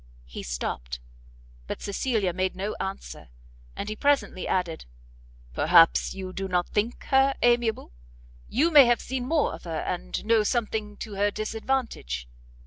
He stopt; but Cecilia made no answer, and he presently added "Perhaps you do not think her amiable? you may have seen more of her, and know something to her disadvantage?"